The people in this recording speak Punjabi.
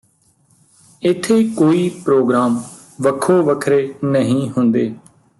ਇੱਥੇ ਕੋਈ ਪਰੋਗਰਾਮ ਵੱਖੋ ਵੱਖਰੇ ਨਹੀਂ ਹੁੰਦੇ